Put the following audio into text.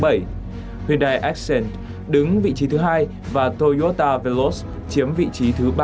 hyundai accent đứng vị trí thứ hai và toyota veloz chiếm vị trí thứ hai